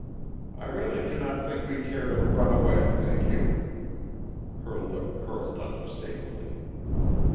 I really do not think we care to run away, thank you." Her lip curled unmistakably.